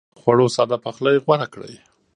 د خوړو ساده پخلی غوره کړئ.